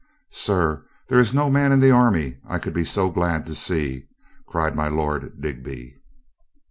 "Sir, there Is no man in the army I could be so glad to see," cried my Lord Digby.